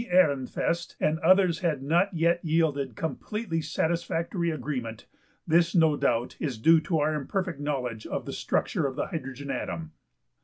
~Ehrenfest, and others have not as yet yielded completely satisfactory agreement, this no doubt is due to our imperfect knowledge of the structure of the hydrogen atom.